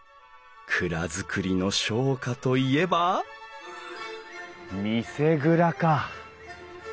蔵造りの商家といえば見世蔵か！